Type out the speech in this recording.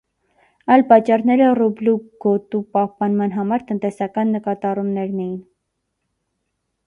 Այլ պատճառները ռուբլու գոտու պահպանման համար տնտեսական նկատառումներն էին։